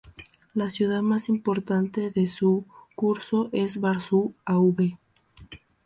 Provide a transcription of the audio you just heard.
La ciudad más importante de su curso es Bar-sur-Aube.